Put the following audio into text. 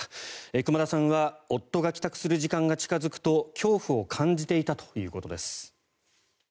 熊田さんは夫が帰宅する時間が近付くと恐怖を感じていたということです。